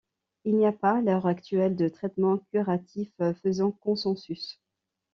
Il n'y a pas, à l'heure actuelle, de traitement curatif faisant consensus.